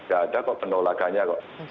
gak ada kok penolakannya kok